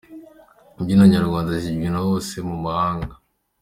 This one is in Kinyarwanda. Imbyino nyarwanda zibyinwa hose no mu mahanga.